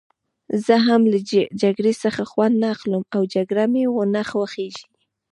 زه هم له جګړې څخه خوند نه اخلم او جګړه مې نه خوښېږي.